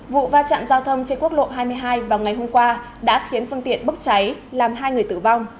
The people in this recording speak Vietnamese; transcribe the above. vụ va chạm giao thông trên quốc lộ hai mươi hai vào ngày hôm qua đã khiến phương tiện bốc cháy làm hai người tử vong